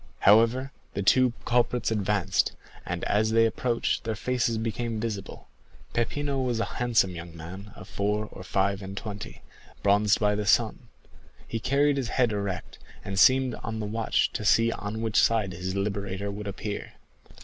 However, the two culprits advanced, and as they approached their faces became visible. Peppino was a handsome young man of four or five and twenty, bronzed by the sun; he carried his head erect, and seemed on the watch to see on which side his liberator would appear.